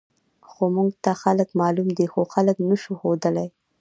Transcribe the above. خو موږ ته خلک معلوم دي، خو خلک نه شو ښودلی.